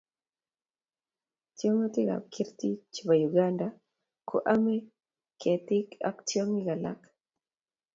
tyong'ikab kerti chebo Uganda ko amei ketik ak tyong'ik alak